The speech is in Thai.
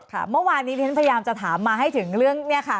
ตอนนี้ฉันพยายามจะถามมาให้ถึงเรื่องนี้ค่ะ